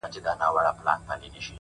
• بیا یې د ایپي د مورچلونو ډېوې بلي کړې,